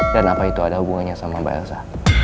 dan apa itu ada hubungannya sama mbak elsa